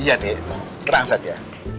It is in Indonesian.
iya deh terang saja